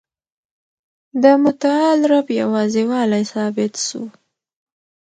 د متعال رب یوازي والی ثابت سو.